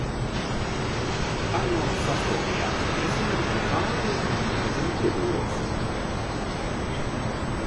Arnolds sastomījās un es viņam ar kāju neredzami piedūros.